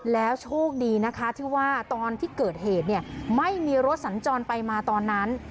แล้วโชคดีนะคะที่ว่าตอนที่เกิดเหตุเนี่ยไม่มีรถสัญจรไปมาตอนนั้น